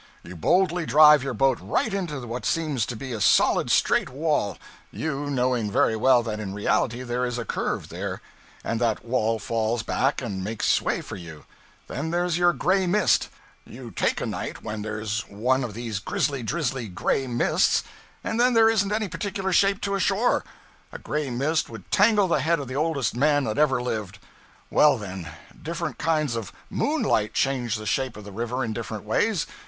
You boldly drive your boat right into what seems to be a solid, straight wall (you knowing very well that in reality there is a curve there), and that wall falls back and makes way for you. Then there's your gray mist. You take a night when there's one of these grisly, drizzly, gray mists, and then there isn't any particular shape to a shore. A gray mist would tangle the head of the oldest man that ever lived. Well, then, different kinds of _moonlight _change the shape of the river in different ways.